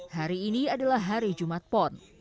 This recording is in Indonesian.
hari ini adalah hari jumat pon